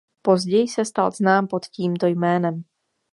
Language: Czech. Později se stal znám pod tímto jménem.